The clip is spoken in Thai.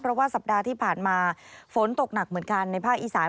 เพราะว่าสัปดาห์ที่ผ่านมาฝนตกหนักเหมือนกันในภาคอีสาน